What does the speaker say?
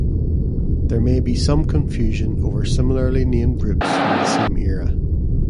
There may be some confusion over similarly named groups from the same era.